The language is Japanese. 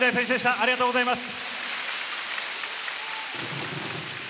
ありがとうございます。